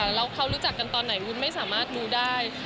แล้วเขารู้จักกันตอนไหนวุ้นไม่สามารถรู้ได้